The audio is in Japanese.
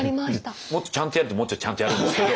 もっとちゃんとやるともうちょいちゃんとやるんですけど。